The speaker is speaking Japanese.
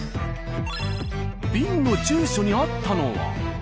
瓶の住所にあったのは。